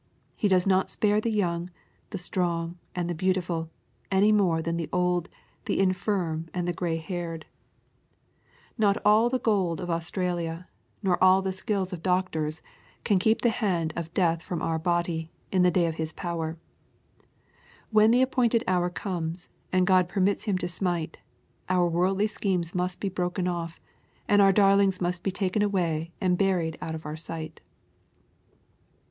He does not spare the young, the strong, and the beautiful, any more than the old, the infirm, and the grey haired. Not all the gold of 286 SXPOSITOBT THOUGHTS. Australia, nor all the skill of doctors, can keep the hand of death from our bodies, in the day of his power. When the appointed hour comes, and God permits him to smite, our worldly schemes must be broken off, and our darlings must be taken away and buried out of our sight.